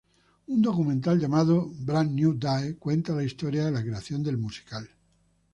Un documental llamado "Bran Nue Dae" cuenta la historia de la creación del musical.